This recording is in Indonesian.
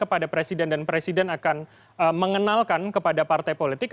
kepada presiden dan presiden akan mengenalkan kepada partai politik